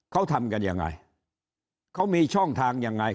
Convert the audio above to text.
เขาทำกันยังไงเขามีช่องทางยังไง